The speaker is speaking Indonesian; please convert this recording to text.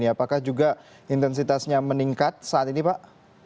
apakah juga intensitasnya meningkat saat ini pak